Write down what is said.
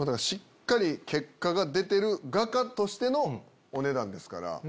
しっかり結果が出てる画家としてのお値段ですから。